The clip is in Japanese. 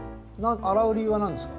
洗う理由は何ですか？